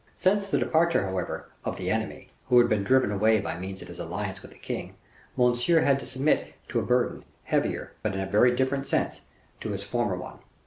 Since the departure, however, of the enemy, who had been driven away by means of his alliance with the king, Monsieur had to submit to a burden, heavier, but in a very different sense, to his former one.